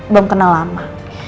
belum kenal lama